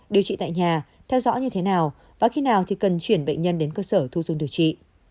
điều trị tại nhà theo dõi như thế nào và khi nào thì cần chuyển bệnh nhân đến cơ sở thu dung điều trị